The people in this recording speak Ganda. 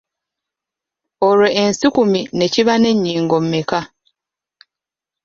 Olwo ensukumi ne kiba n’ennyingo mmeka?